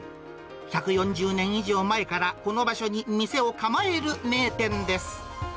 １４０年以上前からこの場所に店を構える名店です。